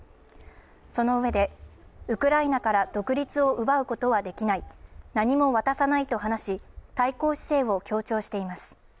そのうえで、ウクライナから独立を奪うことはできない何も渡さないと話し、対抗姿勢を強調しています。